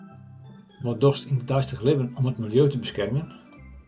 Wat dochst yn it deistich libben om it miljeu te beskermjen?